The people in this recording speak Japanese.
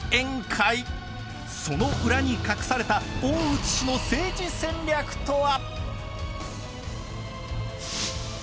その裏に隠された大内氏の政治戦略とは！